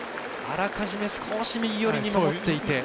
あらかじめ少し右寄りに守っていて。